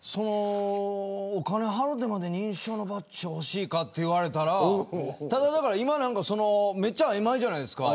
お金を払ってまで認証のバッジが欲しいかと言われたらただ今めちゃくちゃ曖昧じゃないですか。